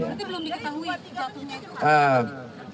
pak berarti belum diketahui jatuhnya